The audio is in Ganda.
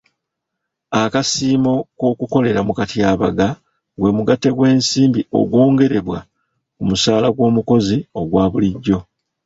Akasiimo k'okukolera mu katyabaga gwe mugatte gw'ensimbi ogw'ongerebwa ku musaala gw'omukozi ogwa bulijjo.